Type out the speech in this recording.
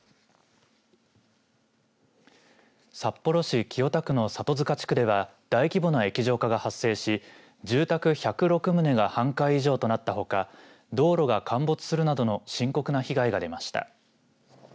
札幌市清田区の里塚地区では大規模な液状化が発生し住宅１０６棟が半壊以上となったほか道路が陥没するなどの深刻な被害が出ました。